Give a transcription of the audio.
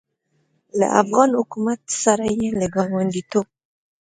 له افغان حکومت سره یې له ګاونډیتوب